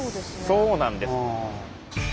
そうなんです。